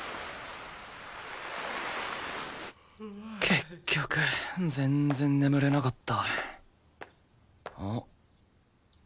結局全然眠れなかった